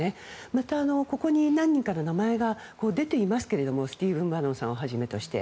また、ここに何人かの名前が出ていますけれどもスティーブン・バノン氏をはじめとして。